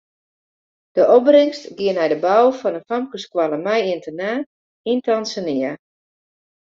De opbringst giet nei de bou fan in famkesskoalle mei ynternaat yn Tanzania.